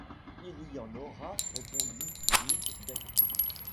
Il y en aura, répondit Nic Deck.